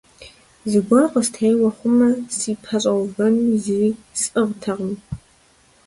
Зыгуэр къыстеуэ хъумэ, срипэщӀэувэнуи зыри сӀыгътэкъым.